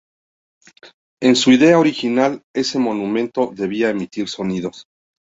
En su idea original ese monumento debía "emitir sonidos".